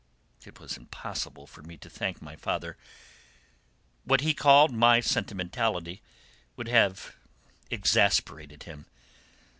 It was impossible for me to thank my father; what he called my sentimentality would have exasperated him.